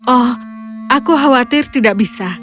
oh aku khawatir tidak bisa